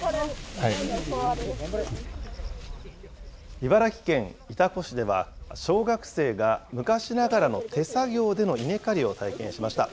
茨城県潮来市では、小学生が昔ながらの手作業での稲刈りを体験しました。